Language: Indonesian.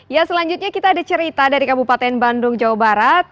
ya selanjutnya kita ada cerita dari kabupaten bandung jawa barat